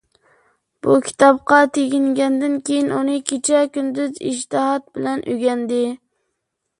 بۇ كىتابقا تېگىنگەندىن كېيىن، ئۇنى كېچە - كۈندۈز ئىجتىھات بىلەن ئۆگەندى.